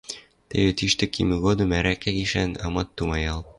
Теве тиштӹ кимӹ годым ӓрӓкӓ гишӓн амат тумаял